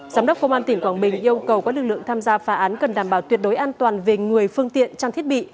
giám đốc công an tỉnh quảng bình yêu cầu các lực lượng tham gia phá án cần đảm bảo tuyệt đối an toàn về người phương tiện trang thiết bị